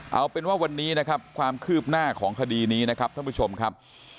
เอาเป็นว่าวันนี้นะครับความคืบหน้าของคดีนี้นะครับท่านผู้ชมครับ